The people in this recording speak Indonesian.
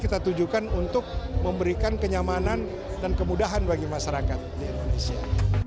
kita tujukan untuk memberikan kenyamanan dan kemudahan bagi masyarakat di indonesia